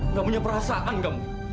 nggak punya perasaan kamu